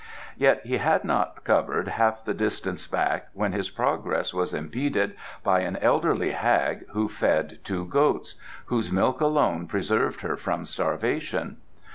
Yet he had not covered half the distance back when his progress was impeded by an elderly hag who fed two goats, whose milk alone preserved her from starvation.